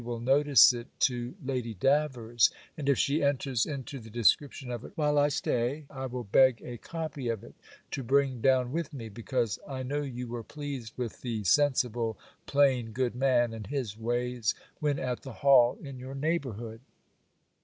will notice it to Lady Davers; and if she enters into the description of it while I stay, I will beg a copy of it, to bring down with me; because I know you were pleased with the sensible, plain, good man, and his ways, when at the Hall in your neighbourhood.